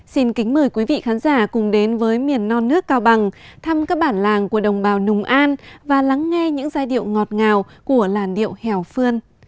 xin kính mời quý vị khán giả cùng đến với miền non nước cao bằng thăm các bản làng của đồng bào nùng an và lắng nghe những giai điệu ngọt ngào của làn điệu hèo phương